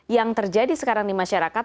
yang terjadi sekarang di masyarakat